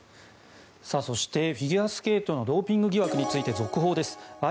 そしてフィギュアスケートのドーピング疑惑について続報です。